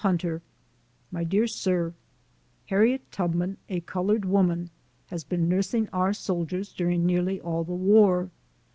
HUNTER MY DEAR SIR: Harriet Tubman, a colored woman, lias been nursing our soldiers during nearly all the war.